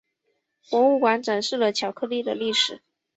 博物馆展示了巧克力的历史。